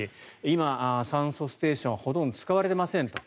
今、酸素ステーションほとんど使われていませんと。